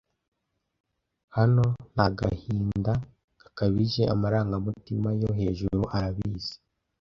Hano, nta gahinda gakabije amarangamutima yo hejuru arabizi--